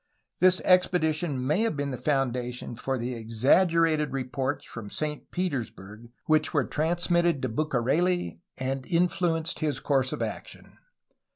This expedition may have been the foundation for the exaggerated reports from Saint Petersburg which were transmitted to Bucareli and influ enced his course of action.